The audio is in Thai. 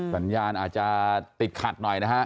สัญญาณอาจจะติดขัดหน่อยนะฮะ